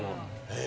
え？